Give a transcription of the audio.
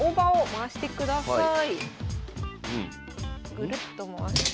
ぐるっと回して。